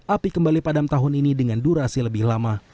api kembali padam tahun ini dengan durasi lebih lama